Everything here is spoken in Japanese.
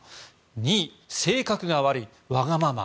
２位、性格が悪い・わがまま。